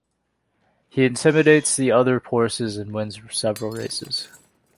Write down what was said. He intimidates the other horses and wins several races.